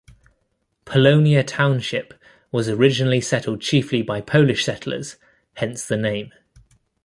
Polonia Township was originally settled chiefly by Polish settlers, hence the name.